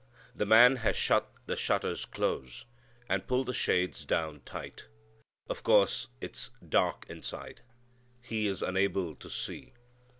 The man has shut the shutters close, and pulled the shades down tight. Of course it's dark inside. He is unable to see.